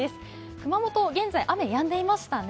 熊本、現在、雨やんでいましたね。